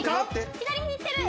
左にいってる。